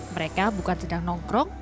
mereka bukan sedang nongkrong